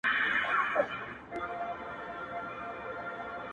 د کورونو دروازې تړلې دي او فضا سړه ښکاري,